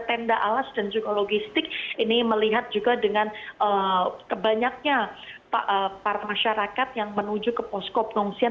tenda alas dan juga logistik ini melihat juga dengan kebanyaknya para masyarakat yang menuju ke posko pengungsian